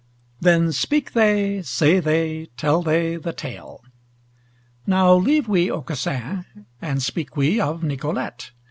Then speak they, say they, tell they the Tale: Now leave we Aucassin, and speak we of Nicolete.